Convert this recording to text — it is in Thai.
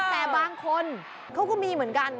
แต่บางคนเขาก็มีเหมือนกัน